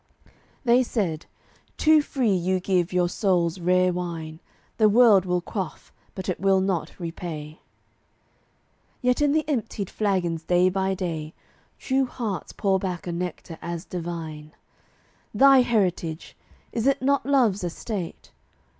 They said, "Too free you give your soul's rare wine; The world will quaff, but it will not repay." Yet in the emptied flagons, day by day, True hearts pour back a nectar as divine. Thy heritage! Is it not love's estate?